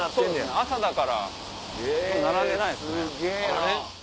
朝だから並んでないですね。